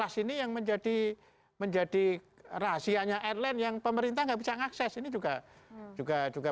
sini yang menjadi menjadi rahasianya airline yang pemerintah nggak bisa mengakses ini juga juga